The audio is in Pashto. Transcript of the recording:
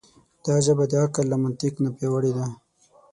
دا ژبه د عقل له منطق نه پیاوړې ده.